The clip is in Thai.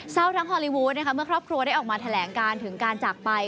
ทั้งฮอลลีวูดนะคะเมื่อครอบครัวได้ออกมาแถลงการถึงการจากไป